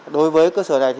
đối với cơ sở này